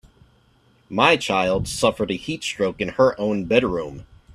My child suffered a heat stroke in her own bedroom.